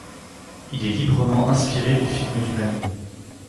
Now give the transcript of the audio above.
Il est librement inspiré du film du même nom.